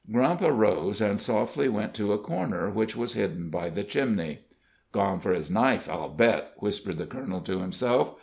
Grump arose, and softly went to a corner which was hidden by the chimney. "Gone for his knife, I'll bet," whispered the colonel to himself.